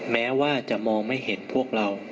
แม้ว่าจะมองไม่เห็นพวกเรา